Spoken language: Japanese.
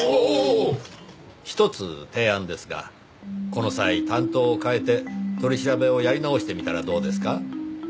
ひとつ提案ですがこの際担当を変えて取り調べをやり直してみたらどうですか？